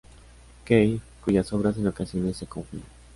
Key, cuyas obras en ocasiones se confunden.